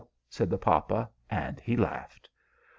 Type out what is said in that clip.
said the papa; and he laughed.